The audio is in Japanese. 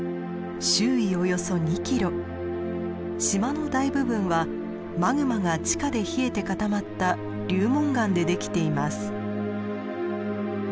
島の大部分はマグマが地下で冷えて固まった流紋岩で出来ています。